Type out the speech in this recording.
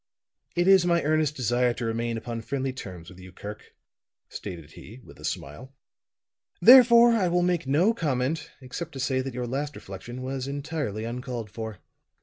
"It is my earnest desire to remain upon friendly terms with you, Kirk," stated he, with a smile. "Therefore, I will make no comment except to say that your last reflection was entirely uncalled for."